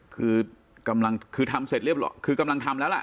คือกำลังคือทำเสร็จเรียบร้อยคือกำลังทำแล้วล่ะ